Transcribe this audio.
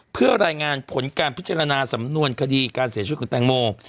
เพื่อรายงานผลการพิจารณาสำนวนคดีการเสียชีวิตของแตงโม